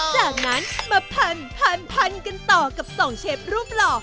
จากนั้นมาพันกันต่อกับสองเชฟรูปหล่อ